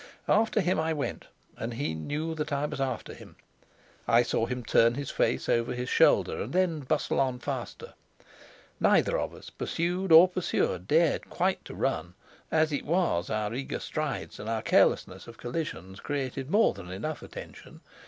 After him I went; and he knew that I was after him. I saw him turn his face over his shoulder, and then bustle on faster. Neither of us, pursued or pursuer, dared quite to run; as it was, our eager strides and our carelessness of collisions created more than enough attention.